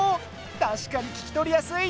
確かに聞きとりやすい。